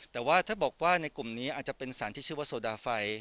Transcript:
แต่ว่าถ้าบอกว่าในกลุ่มนี้อาจจะเป็นสารที่ชื่อว่าโซดาไฟ